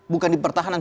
bukan di pertahanan